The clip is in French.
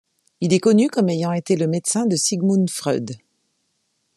Il est connu comme ayant été le médecin de Sigmund Freud.